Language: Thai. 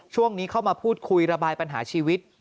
ช่วงนี้เข้ามาพูดคุยระบายปัญหาชีวิต